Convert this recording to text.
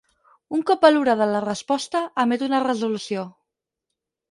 Un cop valorada la resposta, emet una resolució.